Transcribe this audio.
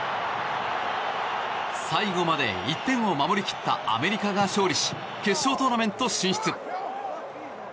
最後まで１点を守り切ったアメリカが勝利し決勝トーナメント進出。